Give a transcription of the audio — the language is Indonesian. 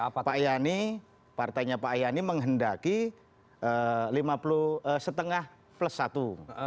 pak yani partainya pak yani menghendaki plus satu